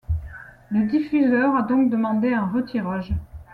Le diffuseur a donc demandé un retirage.